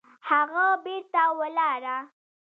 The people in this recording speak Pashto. هغه بېرته ولاړه